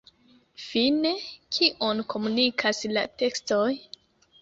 Fine, kion komunikas la tekstoj?